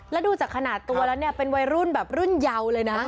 แล้วดูจากขนาดตัวแล้วเนี่ยเป็นวัยรุ่นแบบรุ่นเยาเลยนะ